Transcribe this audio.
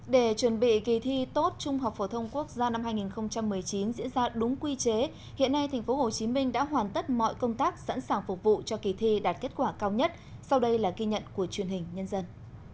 để chuẩn bị kỳ thi tốt trung học phổ thông quốc gia năm hai nghìn một mươi chín diễn ra đúng quy chế hiện nay tp hcm đã hoàn tất mọi công tác sẵn sàng phục vụ cho kỳ thi đạt kết quả cao nhất sau đây là ghi nhận của truyền hình nhân dân